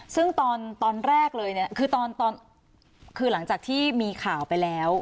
ซึ่งตอนแรกเลยคือหลังจากที่มีข่าวไปแล้ว